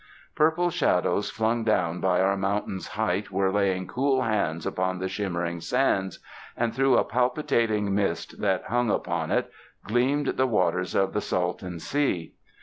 Purple shadows flung down by our mountain's height were laying cool hands upon the shimmering sands, and through a palpitating mist that hung upon it, gleamed the waters of the Salton Sea.